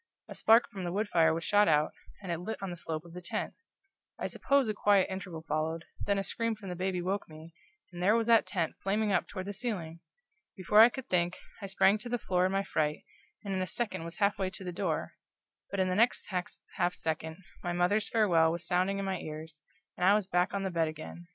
A spark from the wood fire was shot out, and it lit on the slope of the tent. I suppose a quiet interval followed, then a scream from the baby awoke me, and there was that tent flaming up toward the ceiling! Before I could think, I sprang to the floor in my fright, and in a second was half way to the door; but in the next half second my mother's farewell was sounding in my ears, and I was back on the bed again.